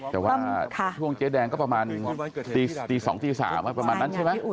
แต่ว่าช่วงเจ๊แดงก็ประมาณตี๒ตี๓ประมาณนั้นใช่ไหม